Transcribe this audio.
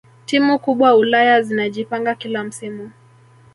timu kubwa ulaya zinajipanga kila msimu